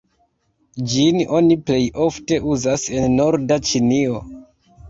Ĝin oni plej ofte uzas en norda Ĉinio.